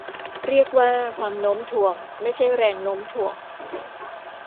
เรียกว่าความโน้มถ่วง ไม่ใช่แรงโน้มถ่วง